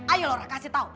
ayo laura kasih tahu